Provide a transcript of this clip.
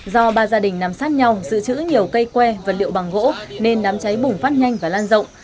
do ba gia đình nằm sát nhau giữ chữ nhiều cây que vật liệu bằng gỗ nên đám cháy bùng phát nhanh và lan rộng